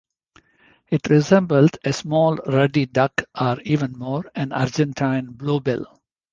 It resembled a small ruddy duck or, even more, an Argentine blue-bill.